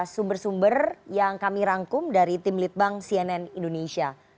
sumber sumber yang kami rangkum dari tim litbang cnn indonesia